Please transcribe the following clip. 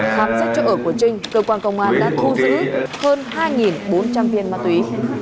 khám xét chỗ ở của trinh cơ quan công an đã thu giữ hơn hai bốn trăm linh viên ma túy